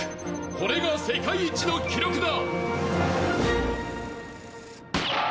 「これが世界一の記録だ！」